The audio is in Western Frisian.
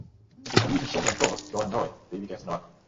It wie griis en somber en kâld, dei oan dei, in pear wike efterinoar.